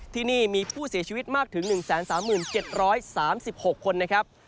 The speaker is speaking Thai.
ที่นี่มีผู้เสียชีวิตมากถึง๑๓๗๓๖คนนะครับ